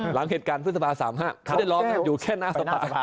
หลังเหตุการณ์พฤษภา๓๕ไม่ได้ร้องอยู่แค่หน้าสภา